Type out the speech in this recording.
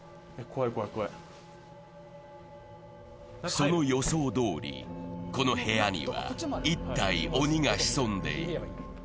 その予想どおり、この部屋には１体鬼が潜んでいる。